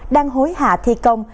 đang hối hạ thi công